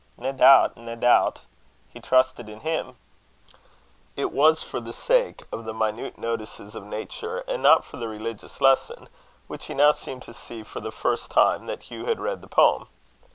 "Nae doubt, nae doubt: he trusted in Him." It was for the sake of the minute notices of nature, and not for the religious lesson, which he now seemed to see for the first time, that Hugh had read the poem.